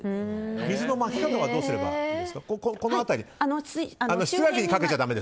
水のまき方はどうすればいいですか？